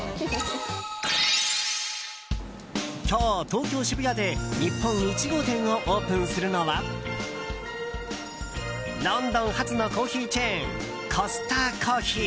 今日、東京・渋谷で日本１号店をオープンするのはロンドン発のコーヒーチェーンコスタコーヒー。